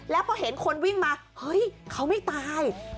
แล้วพอเห็นคนวิ่งมาเฮ้ยเขาไม่ตาย